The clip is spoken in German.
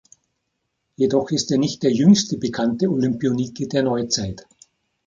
Jedoch ist er nicht der jüngste bekannte Olympionike der Neuzeit.